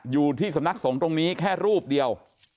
อยู่ที่สำนักสงฆ์ตรงนี้แค่รูปเดียว